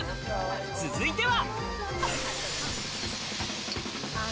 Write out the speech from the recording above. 続いては。